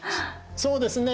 そうですね。